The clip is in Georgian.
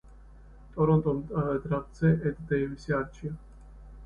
ტორონტომ დრაფტზე ედ დეივისი აირჩია.